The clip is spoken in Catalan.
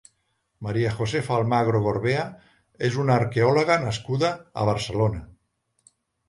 María Josefa Almagro Gorbea és una arqueòloga nascuda a Barcelona.